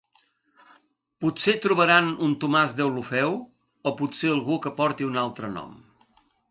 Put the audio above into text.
Potser trobaran un Tomàs Deulofeu, o potser algú que porti un altre nom.